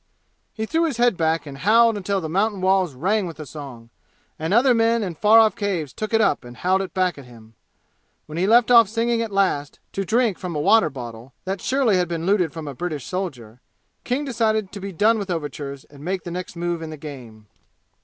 He threw his head back and howled until the mountain walls rang with the song, and other men in far off caves took it up and howled it back at him. When he left off singing at last, to drink from a water bottle, that surely had been looted from a British soldier, King decided to be done with overtures and make the next move in the game.